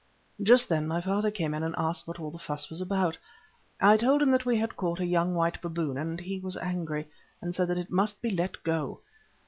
"Just then my father came in and asked what all the fuss was about. I told him that we had caught a young white baboon, and he was angry, and said that it must be let go.